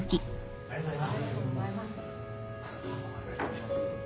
ありがとうございます。